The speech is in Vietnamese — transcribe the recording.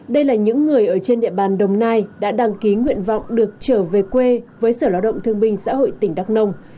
đây là những người ở trên địa bàn đồng nai đã đăng ký nguyện vọng được trở về quê với sở lao động thương binh xã hội tỉnh đắk nông